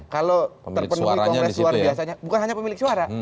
kalau terpenuhi kongres luar biasanya bukan hanya pemilik suara